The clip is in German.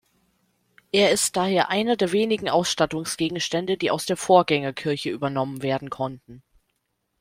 Er ist daher einer der wenigen Ausstattungsgegenstände, die aus der Vorgängerkirche übernommen werden konnten.